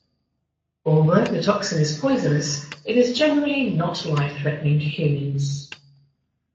Although the toxin is poisonous, it is generally not life-threatening to humans.